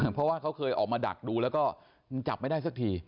เพราะว่าเขาเคยออกมาดักดูแล้วก็จับไม่ได้สักที